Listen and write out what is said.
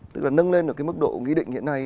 tức là nâng lên được cái mức độ nghị định hiện nay